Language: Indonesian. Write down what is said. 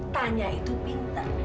tanya itu pinter